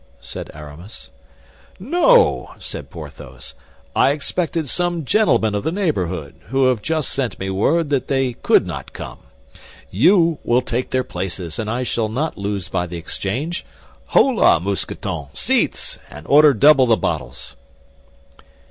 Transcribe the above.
said Aramis. "No," said Porthos, "I expected some gentlemen of the neighborhood, who have just sent me word they could not come. You will take their places and I shall not lose by the exchange. Holà, Mousqueton, seats, and order double the bottles!"